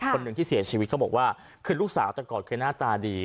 คนหนึ่งที่เสียชีวิตเขาบอกว่าคือลูกสาวแต่ก่อนคือหน้าตาดี